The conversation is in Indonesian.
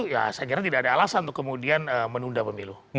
ya saya kira tidak ada alasan untuk kemudian menunda pemilu